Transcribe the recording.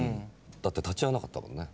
だって立ち会わなかったもんね。